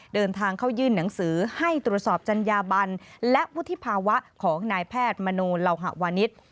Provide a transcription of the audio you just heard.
เดินทางเข้ายื่นหนังสือให้ตรวจสอบจัญญาบันและวุฒิภาวะของนายแพทย์มโนเหล่าหวานิษฐ์